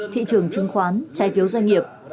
thị trường chứng khoán trái phiếu doanh nghiệp